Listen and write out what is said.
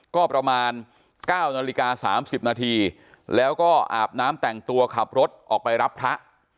ก็ประมาณ๙นาฬิกา๓๐นาทีแล้วก็อาบน้ำแต่งตัวขับรถออกไปรับพระ